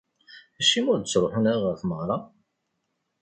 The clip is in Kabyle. Acimi ur d-ttruḥun ara ɣer tmeɣra?